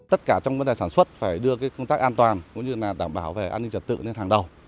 tất cả trong vấn đề sản xuất phải đưa công tác an toàn đảm bảo về an ninh trật tự lên hàng đầu